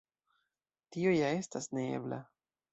Tio ja estas neebla.